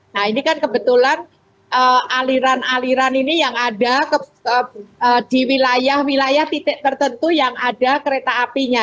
nah ini kan kebetulan aliran aliran ini yang ada di wilayah wilayah titik tertentu yang ada kereta apinya